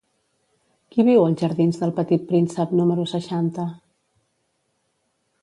Qui viu als jardins d'El Petit Príncep número seixanta?